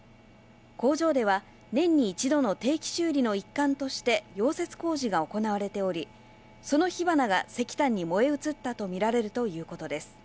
工場では、年に１度の定期修理の一環として溶接工事が行われており、その火花が石炭に燃え移ったと見られるということです。